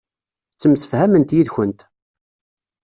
Ttemsefhament yid-kent.